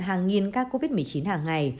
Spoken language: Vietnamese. hàng nghìn ca covid một mươi chín hàng ngày